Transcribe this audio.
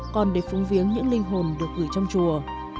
còn để phung viếng những linh hồn được gửi trong chùa